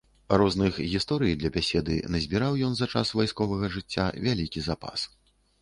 Розных гісторый для бяседы назбіраў ён за час вайсковага жыцця вялікі запас.